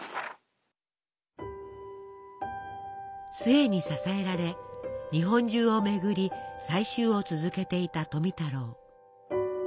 壽衛に支えられ日本中を巡り採集を続けていた富太郎。